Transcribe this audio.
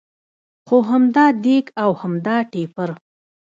خو همدا دېګ او همدا ټېپر.